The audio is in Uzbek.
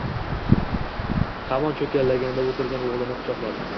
Hamon cho‘kkalagancha o‘tirgan o‘g‘lini quchoqladi.